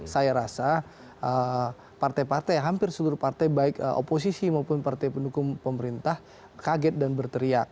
saya rasa partai partai hampir seluruh partai baik oposisi maupun partai pendukung pemerintah kaget dan berteriak